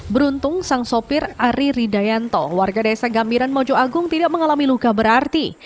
beruntung sang sopir ari ridayanto warga desa gambiran mojo agung tidak mengalami luka berarti